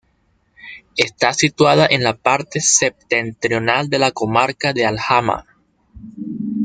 Está situada en la parte septentrional de la comarca de Alhama.